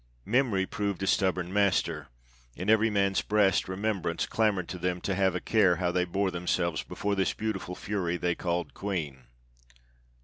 Memory proved a stubborn master; in every man's breast remembrance clamored to them to have a care how they bore themselves before this beautiful fury they called queen.